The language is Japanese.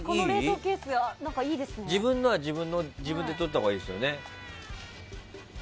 自分のは自分でとったほうがいいよね。